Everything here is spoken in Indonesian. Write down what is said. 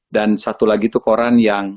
dan satu lagi itu koran yang